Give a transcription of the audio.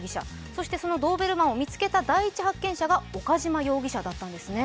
そしてそのドーベルマンを見つけた第一発見者が岡島容疑者だったんですね。